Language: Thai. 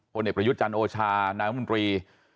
บริเวณประยุทธ์จันทร์โอชานายรัฐมนตรี